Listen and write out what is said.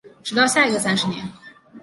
直到下一个三十年